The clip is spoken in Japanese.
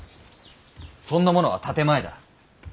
そんなものは建て前だ。